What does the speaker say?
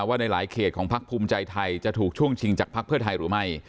ว่าในหลายเขตของพักภูมิใจไทยจะถูกช่วงชิงจากภักดิ์เพื่อไทยหรือไม่